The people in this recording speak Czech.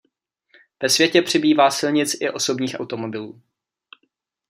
Ve světě přibývá silnic i osobních automobilů.